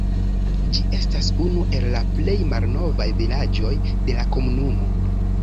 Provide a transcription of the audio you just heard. Ĝi estas unu el la plej malnovaj vilaĝoj de la komunumo.